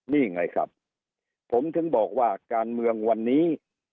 นี่ไงครับผมถึงบอกว่าการเมืองวันนี้